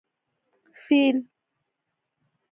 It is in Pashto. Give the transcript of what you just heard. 🐘 فېل